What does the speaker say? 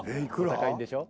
お高いんでしょう？